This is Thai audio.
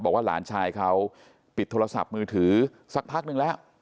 บอกว่าหลานชายเขาปิดโทรศัพท์มือถือสักพักนึงแล้ว